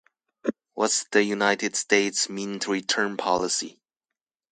What’s the United States Mint Return Policy?